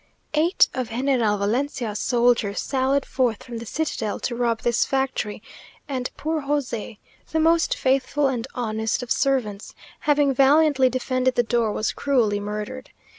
Eight of General Valencia's soldiers sallied forth from the citadel to rob this factory, and poor José, the most faithful and honest of servants, having valiantly defended the door, was cruelly murdered.